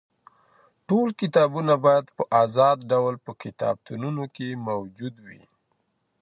ټول کتابونه بايد په ازاد ډول په کتابتونونو کي موجود وي.